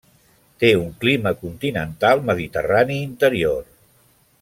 Té un clima continental mediterrani interior.